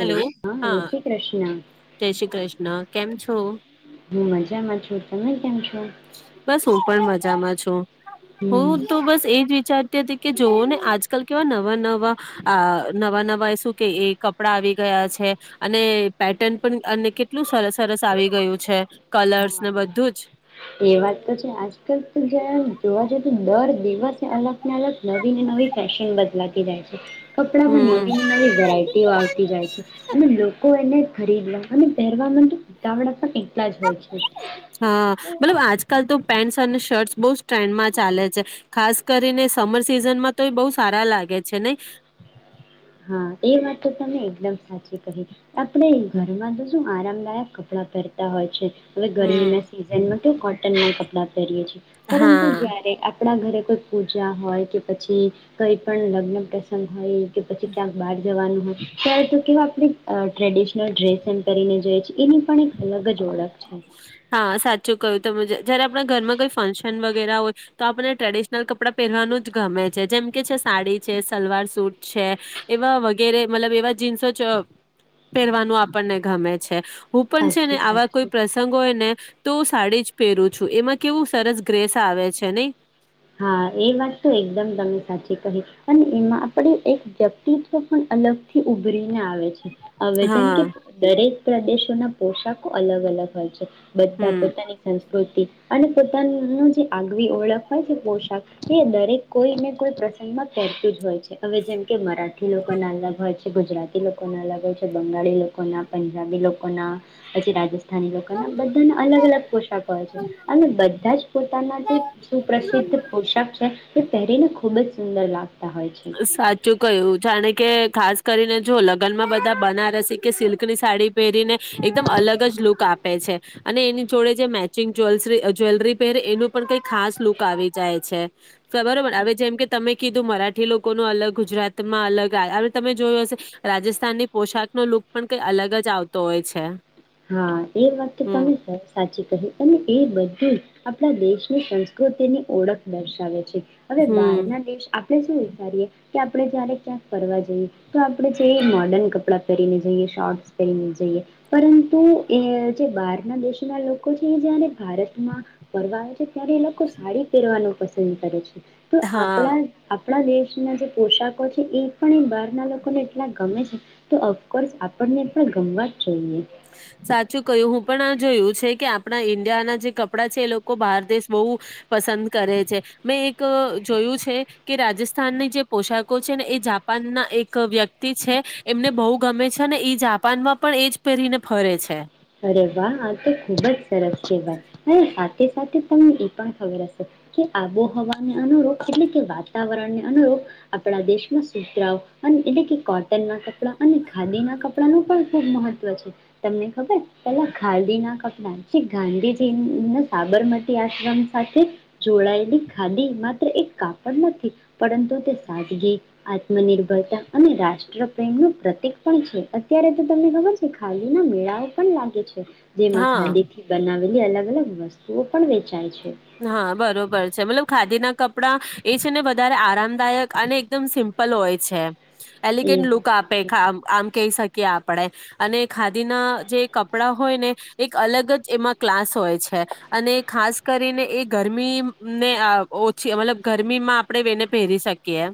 Hello હા જય શ્રી કૃષ્ણ જય શ્રી કૃષ્ણ કેમ છો હું મજામાં છું તમે કેમ છો બસ હું પણ મજામાં છું હમ હું તો બસ એ જ વિચારતી હતી કે જોઓ ને આજકાલ કેવા નવા-નવા-નવા-નવા એ શું કે એ કપડા આવી ગયા છે, અને પેટર્ન પણ અને કેટલું સરસ સરસ આવી ગયું છે કલર્સ હા ને બધું જ એ વાત તો છે આજકાલ તો જ જોવા જઈએ તો દર દિવસે અલગ અલગ નવી ને નવી ફેશન બદલાતી જાય છે હ [inaudible] કપડામાં નવી હમ ને નવી વેરાયટીઓ આવતી જાય છે, અને લોકો એને ખરીદવા અને પહેરવાવામાં તો ઉતાવળ [unintelligible] ત્યાંજ હો છે [inaudible] હા મતલબ આજકાલ તો પેન્ટસ અને શર્ટ્સ બહુ જ ટ્રેન્ડમાં ચાલે છે ખાસ કરીને સમર સિઝનમાં તો એ બહુ સારા લાગે છે નહી હા, એ વાત તો તમે એકદમ સાચી કહી આપણે ઘરમાં તો શું આરામદાયક કપડાં પહેરતા હોય છે હવે ગરમી હમ ના સિઝન માં કોટન ના ક પરંતુ હા જયારે આપણા ઘરે કોઈ પૂજા હોય કે પછી કઈ પણ લગ્ન પ્રસંગ હોય કે ક્યાંક બહાર જવાનું હોય ત્યારે તો કેવા આપણે અ ટ્રેડિશનલ ડ્રેસન કરીને જોઈએ છે એની પણ એક અલગ જ ઓળખ છે હા સાચું કહ્યું તો મુજે જયારે આપણા ઘરમાં કોઈ ફંક્શન વગેરે હોય તો આપણને ટ્રેડિશનલ કપડાં પહેરવાનું જ ગમે છે જેમ કે છે સાડી છે સલવાર સુટ છે એવા વગેરે મતલબ એવા જીન્સો પહેરવાનું આપણને ગમે છે હું પણ છે ને સાચી વાત આવા છે કોઈ પ્રસંગો હોય ને તો હું સાડી જ પહેરું છું એમાં કેવું સરસ ગ્રેસ આવે છે નહી હા એ વાત તો એકદમ તમે સાચી કહી અને એમાં આપણે એક વ્યક્તિત્વ પણ અલગ થી ઉભરી આવે ને છે હવે જેમ હા કે દરેક પ્રદેશ ના પોશાક અલગ અલગ હોય છે બધા હમ પોતાની સંસ્કૃતિ અને પોતાનું જે આગવી ઓળખ હોય પોશાક એ દરેક કોઈ ને કોઈ પ્રસંગમાં પહેરતું જ હોય છે હવે જેમ કે મરાઠ થી લોકોના અલગ હોય છે ગુજરાતી લોકોના અલગ હોય છે બંગાળી લોકોના પંજાબી લોકોના પછી રાજસ્થાન રાજેસ્થાનિ લોકોના બધાના અલગ અલગ પોશાકો હો છે અને બધા જ પોતાના જે સિધ પોશાક છે તે પહેરીને ખૂબ બહુ સુંદર લાગે સાચું કહયું જાણે કે ખાસ કરીને જો લગ્નમાં બધા બનારસી કે સિલ્કની સાડી પહેરીને એકદમ અલગ જ લૂક આપે છે અને એની જોડે જે મેચિંગ જવે જ્વેલરી પહેરે એનું પણ કઈ ખાસ લુક આવી જાય છે બરોબર આવે છે જેમ કે તમે કીધું મરાઠ મરાઠી લોકો ન અલગ ગુજરાતમાં અલગ હ તમે જોયું હશે રાજસ્થાનની પોશાક ન લુક પણ કઈ અલગ જ આવતો હોય છે હા એ વાત તો હમ તમે સાચી કહી અને એ બધું આપણા દેશની સંસ્કૃતિની ઓળખ દર્શાવે છે હવે બહાર હમ ના દેશ આપણે શું વિચારીએ કે આપણે જ્યારે ક્યાંક ફરવા જઈએ તો આપણે જે મોર્ડર્ન કપડાં પહેરીને જઈએ શોર્ટ્સ પહેરીને જઈએ પરંતુ હું એ જે બહાર ના દેશોના લોકો છે એ જયારે ભારતમાં ફરવા આવે છે ત્યારે એ લોકો સાડી પહેરવાનું પસંદ પસંદ કરે છે તો હા આપણા આપણા દેશના જે પોશાકો છે એ પણ એવા લોકોને એટલા ગમે છે, તો. કોય આપણને પણ ગમવા જ જોઈએ. સાચું કહ્યું હું પણ આ જોયું છે કે આપણા ઈન્ડિયાના જે કપડાં છે એ લોકો બહાર દેશ બહુ, પસંદ કરે છે, મેં એક જોયું છે કે રાજસ્થાનની જે પોશાકો છે ને એ જાપાનના એક વ્યક્તિ છે, એમને બહુ ગમે છે ને એ જાપાનમાં પણ એ જ. પહેરીને ફરે છે. અરે વાહ આ તો ખુબ જ સરસ છે વાત, અને સાથે સાથે તમને એ પણ ખબર હશે, કે આબોહવાને અનુરૂપ એટલે કે વાતાવરણને અનુરૂપ, આપણા દેશમાં સુતરાઓ, એટલે કે કોટન ના કપડા અને ખાદીના કપડા નું પણ ખૂબ મહત્વ છે, તમને ખબર. પેલા ખાદીના કપડા જે ગાંધીજી ના સાબરમતી આશ્રમ સાથે, જોડાયેલી ખાદી માત્ર એક કાપડ નથી, પરંતુ તે સાદગી, આત્મનિર્ભરતા અને રાષ્ટ્ર પ્રેમ નું પ્રતિક પણ છે અત્યારે તો તમને ખબર છે ખાદી ના મેળાઓ. પણ લાગે છે. જેમાં હા. ખાદીથી બનાવી. બધી અલગ અલગ વસ્તુઓ પણ વેચાય છે. હા બરોબર છે મતલબ ખા ના કપડા, એ છે ને વધારે આરામદાયક અને એકદમ સિમ્પલ હોય છે. એ એલિગેન્ટ લુક વસ્તુ આપે છે આમ કહી શકીએ. કે આપણેે, અને ખાદીના જે કપડા હોય ને એક અલગ જ એમાં ક્લાસ હોય છે, અને ખાસ કરીને એ ગરમીને ઓછી મતલબ ગરમીમાં આપણેે એને પહેરી શકીએ.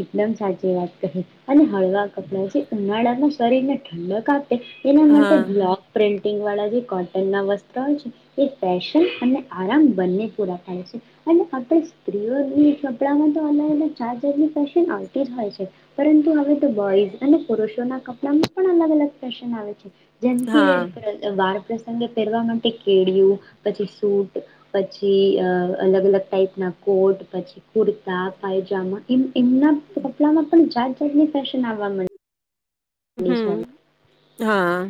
એકદમ સાચી વાત કહી, અને હળવા અપલા છે ઉનાળા સરીને ઠંડક એ હા માટે બ્લાક પ્રિન્ટિંગ વાળા જે વત્ર હોય છે, એ પેશન અને આરામ બંને પૂરા થાય છે, અને આપણે સ્ત્રીઓ કપડામાં તો અલગ અલગ ચજ ફેશન આવતી જ હોય છે, પરંતુ હવે તો બોઈઝ અને પુરુષોના કપડામાં પણ અલગ અલગ ફેશન આવે છે. જેમ કે હા વાળ અંગે પહેરવા માટે કેળિયું, પછી સૂટ, પછી અ અલગ અલગ ટાઈપના કોટ પછી કુર્તા પાયજમા એમ એમના કપડામાં પણ જાત. સની ફેશન આવવામાં હમ હા.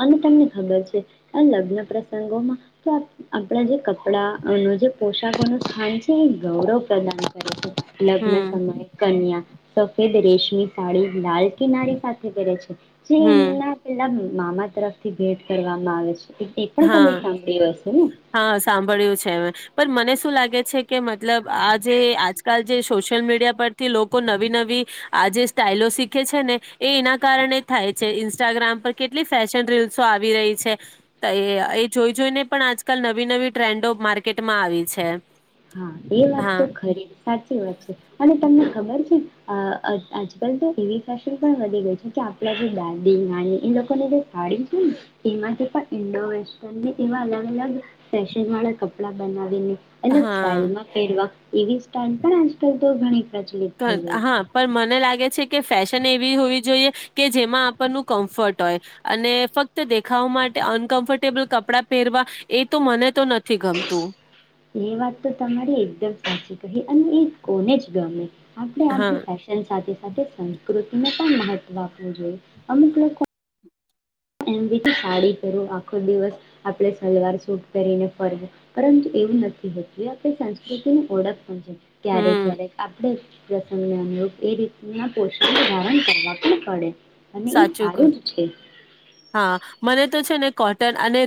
અને તમને ખબર છે, આ લગ્ન પ્રસંગોમાં આપણા જે કપડા અને જે પોશાકો નું સ્થાન છે એ ગૌરવ પ્રદાન કરે છે. લગ્ન હમ સમયે કન્યા સફેદ રેશમી સાડી લાલ કિનારી સાથે કરે છે, જે હમ એના પેલા મામા તરફથી ભેટ કરવામાં આવે છે. તે પણ તમે હા સાંભળી હશે ને? હા સાંભળ્યું છે મેં પણ મને શું લાગે છે કે મતલબ આ જે આજકાલ જે સોશિયલ મીડિયા પરથી લોકો નવી નવી, આ જે સ્ટાઈલો શીખે છે ને એ એના કારણે થાય છે ઇન્સ્ટાગ્રામ પર કેટલી ફેશન રીલ્સો આવી રહી છે. એ એ જોઈ જોઈને પણ આજકાલ નવી નવી ટ્રેન્ડો માર્કેટમાં આવી છે. હા એ વાત હા તો ખરી સાચી વાત છે, અને તમને ખબર છે. અ આજકાલ તો એવી ફેશન પણ વધી ગઈ છે કે આપણા જે દાદી નાની એ લોકોની જે સાડી છે ને એમાંથી પણ ઈન્ડો વેસ્ટર્નને એવા અલગ અલગ ફેશન વાળા કપડાં બનાવીને. અલગ સ્ટાઇલ હા માં પેરવા એવી સ્ટાઇલ પણ આજકાલ તો ઘણી પ્રચલિત થઈ ગઈ હા પણ મને લાગે છે. કે ફેશન એવી હોવી જોઈએ કે જેમાં આપણનું કમ્ફર્ટ હોય અને ફક્ત દેખાવ માટે અનકમફર્ટેબલ કપડા પહેરવા એ તો મને તો નથી ગમતું એ વાત તો તમારી એકદમ સાચી કહિ અને એ કોને જ ગમે આપણે હા આપણી ફેશન સાથે સાથે પ્રકૃતિને પણ મહત્વ આપવું જોઈએ અમુક લોકો એમ રીતે સાડી પહેરું આખો દિવસ આપણે સલવાર સૂટ પહેરીને ફરવું પરંતુ એવું નથી હોતું આપણે સંસ્કૃતિની ઓળખ ક્યારે હમ ક્યારે આપણે પ્રસંગને અનુરૂપ એ રીતના પોષણ ધારણ કરવા પણ પડે અને એ સાચું ક સારું જ છે હા મને તો છે ને કોટન અને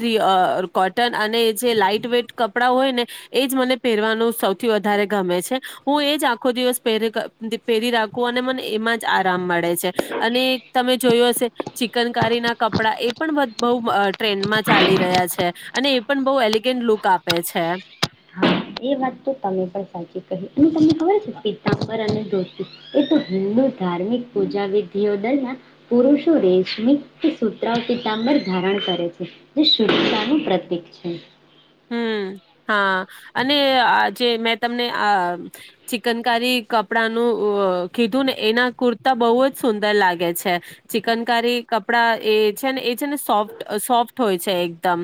ર કોટન અને જે લાઈટ વેઇટ કપડાં હોય ને એજ મને પહેરવાનું સૌથી વધારે ગમે છે હું એ જ આખો દિવસ પહેરી પહેરી રાખું અને મને એમાં જ આરામ મળે છે અને તમે જોયો હશે ચિકનકારીના કપડા એ પણ બ બો ટ્રેન્ડમાં ચાલી રહ્યા છે અને એ પણ બહ એલિગેન્ટ લુક આપે છે હા એ વાત તો તમે પણ સાચી કહી અને તમને ખબર છે પીતાંબર અને ધોતી એ તો હિન્દુ ધાર્મિક પૂજા વિધિઓ દરમિયાન પુરુષો રેશમી કે સુત્રરાવ પીતાંબર ધારણ કરે છે જે શુદ્ધતા નું પ્રતીક છે હમ્મ હા અને આજે મેં તમને આ ચિકનકારી કપડાનું કીધું ને એના કુર્તા બહુ જ સુંદર લાગે છે ચિકનકારી કપડા એ છે ને એ છે ને સોફ્ સોફ્ટ હોય છે એકદમ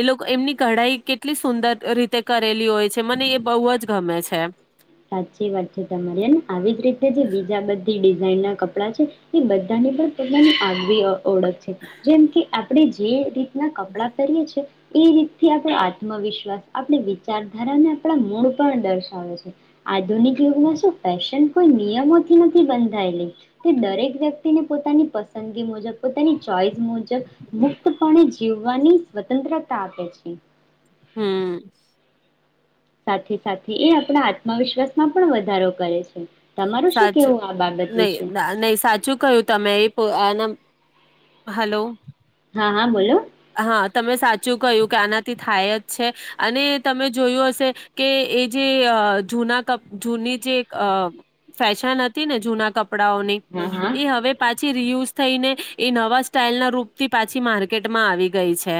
એ લોકો એમની કઢાઈ કેટલી સુંદર રીતે કરેલી હોય છે મને એ બહુ જ ગમે છે સાચી વાત છે તમારી એને આવી જ રીતે જે બીજા બધી દિ ના કપડા છે એ બધાની પણ પોતાની આગવી ઓળખ છે જેમ કે આ આપણે જે રીતના કપડાં પહેરીએ છીએ એ રીતથી આપણો આત્મવિશ્વાસ આપણી વિચારધારાને આપણા મૂળ પણ દર્શાવે છે આ આથધૂનિક યુગ મા ફૅશન કોઈ નિયમોથી નથી બંધાયેલી તે દરેક વ્યક્તિને પોતાની પસંદગી મુજબ હમ્મ સાથે તમારું શું સાચું કેવું આ બાબત નહી વિશે? નહી સાચું કહયું તમે એ આના હલો હા હા બોલો હા તમે સાચું કહ્યું કે આનાથી થાય જ છે અને તમે જોયું હશે કે એ જે જૂના ક જૂની જે ફેશન હતી ને જૂના કપ કપડાં ઓનની હા હા એ હવે પાછી એ રિયુઝ થઈને એ નવા સ્ટીલ ના રૂપથી પાછી માર્કેટ માં આવી ગઈ છે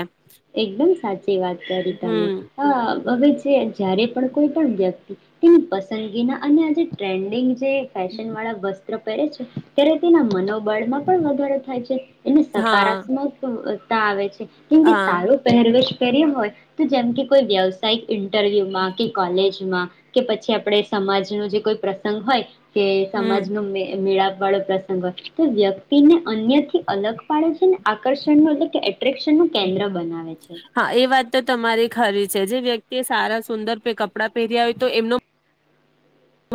એકદમ સાચી વાત કરી તમે હમ હ હવે જે જ્યારે પણ કોઈ પણ વ્યક્તિ તેની પસંદગીના અને આજ ટરેન્ડિગ જે ફશન વાળા વસ્તુ પહેરે છે ત્યારે તેના મનો બળમાં પણ વધારો થાય છે એને હા સકારાત્મક તા આવે છે [unintelligible] હા સારો પહેરવેજ હોય તો જેમ કે કોઈ વ્યવસાયિક ઇન્ટરવ્યુમાં કે કોલેજમાં કે પછી આપણે સમાજ ન જે કોઈ પ્રસંગ હોય કે સમજ હમ નો મેળ વડો પ્રસંગ હોય તો વ્યક્તિ ને અન્ય થી અલગ પાડે છે ને આકર્ષણ માંડે કે શુ કેન્દ્ર બનાવે છે. હા એ વા વાત તો તમારી ખરી છે જે વ્યક્તિ એ સારા સુંદર કપડાં પહેર્યા હોય તો એમનો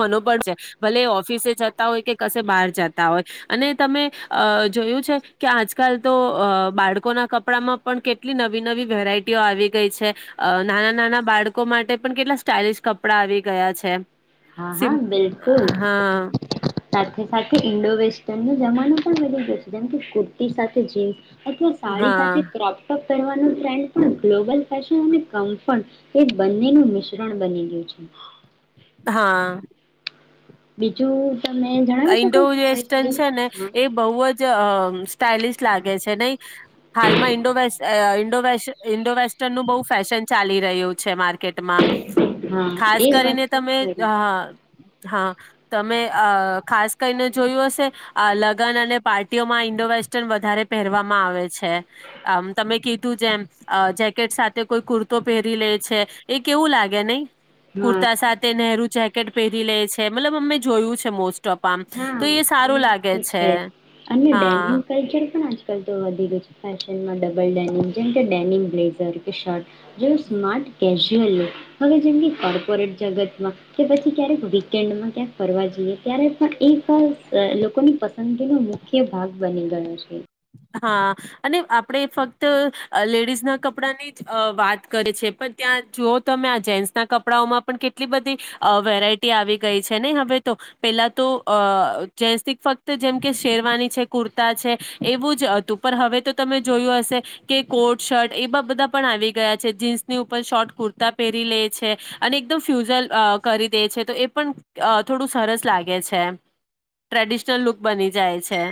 મનો પણડ છે ભલે ઓફિસે જતા હોય કે કશે બહાર જતા હોય અને તમે જોયું છે કે આજકાલ તો બાળકોના કપડામાં પણ કેટલી નવી નવી વેરાયટીઓ આવી ગઈ છે નાના-નાના બાળકો માટે પણ કેટલા સ્ટઇલિશ કપડા આવી ગયા છે. હા હા સિમ્પ બિલકુલ. હા સાથે સાથે ઇન્ડો વેસ્ટર્ન ન જમાનો પણ મળી ગયો છે જેમ કે કુર્તી સાથે જીન્સ અથવા સાડી હા સાથે ક્રોપ ટોપ પહેરવાનું ટ્રેન્ડ તો ગ્લોબલ ફેશન અને કમફર્ટ એ બંનેનું મિશ્રણ બની ગયું છે. હા. બીજું તમે જણાવી શકો ઇન્ડો છો કોઈ વેસ્ટર્ન કોઈ છે ને હા એ બહ જ સ્ટાઇલિશ લાગે છે. ત હાલમાં ઇન્ડો વસ્ટ આ વશ ઇન્ડો વેસ્ટર્નનું બહુ ફેશન ચાલી રહ્યું છે માર્કેટમાં હા ખાસ એ વાત કરીને તો તમે ખરી હ. હા તમે અ ખાસ કરીને જોયું હશે લગ્ન અને પાર્ટીઓમાં ઈન્ડો વેસ્ટર્ન વધારે પહેરવામાં આવે છે આમ તમે કીધું જેમ જેકેટ સાથે કોઈ કુર્તો પહેરી લે છે એ કેવું લાગે નહી. હા કુર્તા સાથે નહેરુ જેક કેટ પહેરી લે છે મતલબ અમે જોયું છે સમોસ્ હા એ વાત તો છે અને હા ડેનિમ કલ્ચર પણ આજ આજકાલ તો વધી ગયું છે ફેશનમાં ડબલ ડેનિમ જેમ કે ડેનિમ બ્લેઝર કે શર્ટ જે સ્માર્ટ કેશ જો લો હવે જેમ કે કોર્પોરેટ જગતમાં કે પછી ક્યારેક વીકેન્ડમાં ક્યાંક ફરવા જઈએ ત્યારે પણ એ ખ લોકોની પસંદગીનો મુખ્ય ભાગ બની ગયો છે. હા અને આપડે ફક્ત લેડીઝ ના કપડાની જ વાત કરીે છે પણ ત્યાં જુઓ તમે આ જેન્ટ્સના કપડાઓમાં પણ કેટલી બધી વેરાયટી આવી ગઈ છે ને હવે તો પેલા તો અ જેસથી ફક્ત જેમ કે શેરવાની છે કુર્તા છે. એવું જ હતું પણ હવે તો તમે જોયું હશે કે કોટ શર્ટ એવા બધા પણ આવી ગયા છે જીન્સની ઉપર શોર્ટ કુર્તા પહેરી લે છે અને એકદમ ફ્યુઝલ કરી દે છે તો એ પણ થોડું સરસ લાગે છે ટ્રેડિશનલ લુક બની જાય છે.